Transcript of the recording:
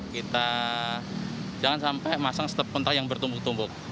kita jangan sampai masang setep kontak yang bertumbuk tumbuk